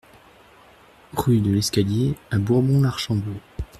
Rue de l'Escalier à Bourbon-l'Archambault